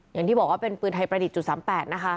อย่างที่บอกว่าเป็นปืนไทยประดิษฐ์๓๘นะคะ